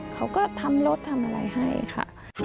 เขาก็ทำรถทำอะไรให้ค่ะ